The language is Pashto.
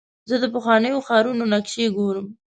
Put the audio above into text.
زه د پخوانیو ښارونو نقشې ګورم.